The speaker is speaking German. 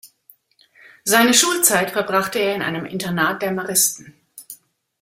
Seine Schulzeit verbrachte er in einem Internat der Maristen.